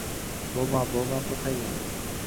বউমা, বউমা কোথায় গেল।